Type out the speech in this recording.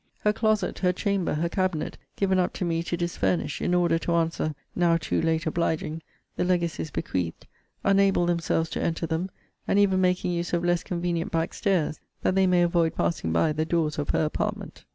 Her closet, her chamber, her cabinet, given up to me to disfurnish, in order to answer (now too late obliging!) the legacies bequeathed; unable themselves to enter them; and even making use of less convenient back stairs, that they may avoid passing by the doors of her apartment!